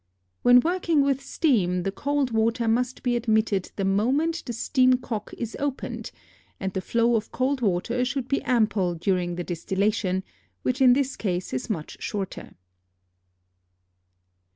When working with steam, the cold water must be admitted the moment the steam cock is opened, and the flow of cold water should be ample during the distillation, which in this case is much shorter.